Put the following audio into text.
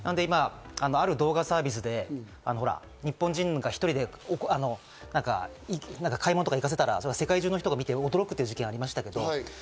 動画サービスで、日本人が１人で買い物とかに行かせたら世界中の人が見て驚くということがありました。